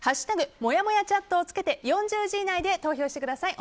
「＃もやもやチャット」をつけて４０字以内で投票してください。